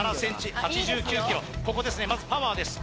ここですねまずパワーです